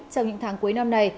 trong những tháng cuối năm này